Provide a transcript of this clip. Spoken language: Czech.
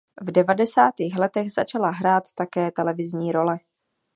V devadesátých letech začala hrát také televizní role.